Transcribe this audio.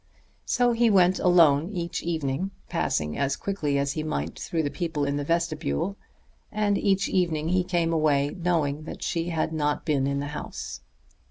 So he went alone each evening, passing as quickly as he might through the people in the vestibule; and each evening he came away knowing that she had not been in the house.